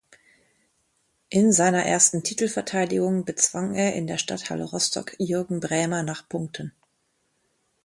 In seiner ersten Titelverteidigung bezwang er in der Stadthalle Rostock Jürgen Brähmer nach Punkten.